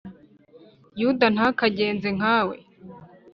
Yuda ntakagenze nkawe!